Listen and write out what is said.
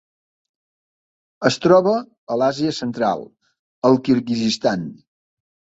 Es troba a l'Àsia Central: el Kirguizistan.